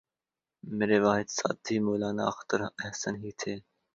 میرے واحد ساتھی مولانا اختر احسن ہی تھے